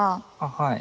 はい。